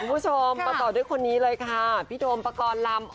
คุณผู้ชมประกอบด้วยคนนี้เลยค่ะพี่โดมปกรณ์ลำ